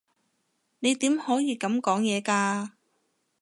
你點可以噉講嘢㗎？